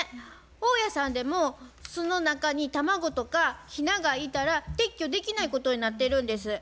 大家さんでも巣の中に卵とかヒナがいたら撤去できないことになってるんです。